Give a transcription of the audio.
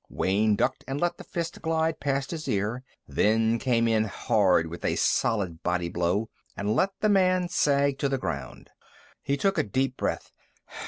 Wayne ducked and let the fist glide past his ear, then came in hard with a solid body blow and let the man sag to the ground. He took a deep breath.